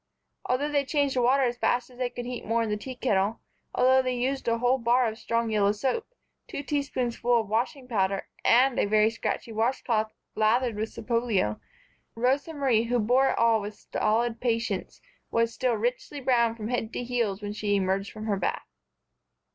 Although they changed the water as fast as they could heat more in the tea kettle, although they used a whole bar of strong yellow soap, two teaspoonfuls of washing powder and a very scratchy washcloth lathered with Sapolio, Rosa Marie, who bore it all with stolid patience, was still richly brown from head to heels, when she emerged from her bath.